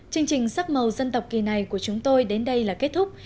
chương trình sắc màu dân tộc kỳ này của chúng tôi đến đây là kết thúc